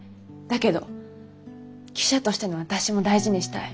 だけど記者としての私も大事にしたい。